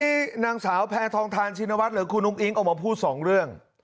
นี่นางสาวแพงทองทานชินวัตรหรือคุณอุ้งอิงของผมพูด๒เรื่อง